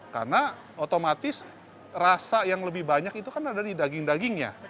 karena otomatis rasa yang lebih banyak itu kan ada di daging dagingnya